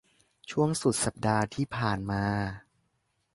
ช่วงสุดสัปดาห์ที่ผ่านมา